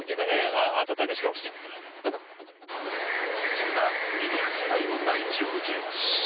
そんなミドル世代の嘆きを受け